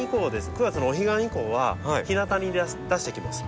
９月のお彼岸以降はひなたに出していきます。